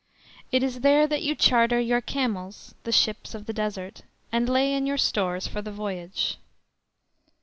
It is there that you charter your camels ("the ships of the Desert"), and lay in your stores for the voyage.